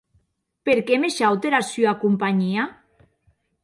Perque me shaute era sua companhia?